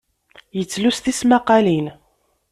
Yettlus tismaqalin.